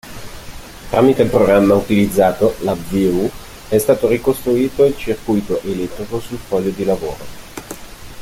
Tramite il programma utilizzato (LabVIEW) è stato ricostruito il circuito elettrico sul foglio di lavoro.